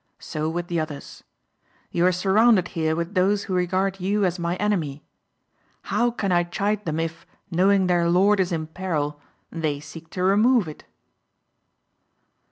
So with the others. You are surrounded here with those who regard you as my enemy. How can I chide them if, knowing their lord is in peril, they seek to remove it?"